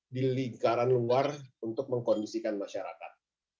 di lingkaran luar untuk mengkondisikan masyarakat